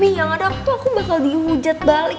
yang ada aku tuh bakal dihujat balik